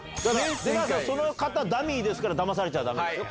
出川さんその方ダミーですからだまされちゃダメですよ。